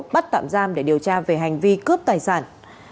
bắt tạm giam để điều tra về hành vi cướp tài sản